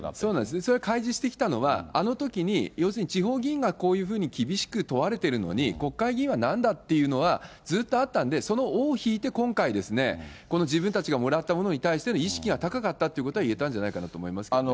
それを開示してきたのは、あのときに要するに地方議員がこういうふうに厳しく問われているのに、国会議員はなんだっていうのは、ずっとあったんで、その尾を引いて、今回、この自分たちがもらったものに対しての意識が高かったということが言えたんじゃないかなと思いますけどね。